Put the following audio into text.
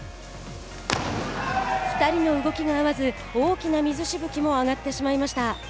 ２人の動きが合わず大きな水しぶきも上がってしまいました。